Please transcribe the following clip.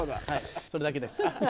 それだけです。